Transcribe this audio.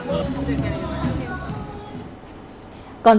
thừa thiên huế